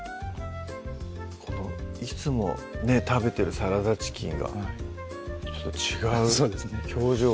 いつも食べてるサラダチキンがちょっと違う表情をね